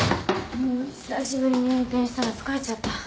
もう久しぶりに運転したら疲れちゃった。